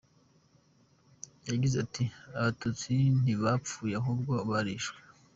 Yagize ati” Abatutsi ntibapfuye ahubwo barishwe.